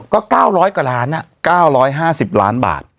ก็๙๐๐กว่าล้าน๙๕๐ล้านบาท